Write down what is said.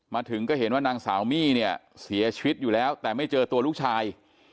มาถึงก็เห็นว่านางสาวมี่เนี่ยเสียชีวิตอยู่แล้วแต่ไม่เจอตัวลูกชาย